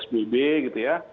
sbb gitu ya